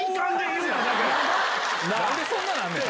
何でそんななんねん